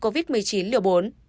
covid một mươi chín liều bốn